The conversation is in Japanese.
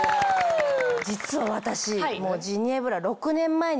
実は私。